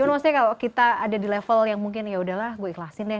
maksudnya kalau kita ada di level yang mungkin yaudahlah gue ikhlasin deh